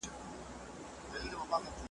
پر خره سپرېدل یو شرم، ځني کښته کېدل یې بل شرم